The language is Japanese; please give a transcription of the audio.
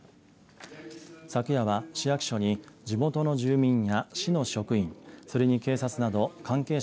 昨夜は市役所に地元の住民や市の職員それに警察など関係者